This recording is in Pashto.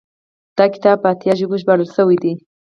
دا کتاب په اتیا ژبو ژباړل شوی دی.